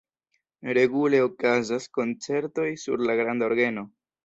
Regule okazas koncertoj sur la granda orgeno.